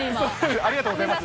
ありがとうございます。